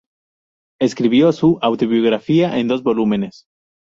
Escribió su autobiografía en dos volúmenes.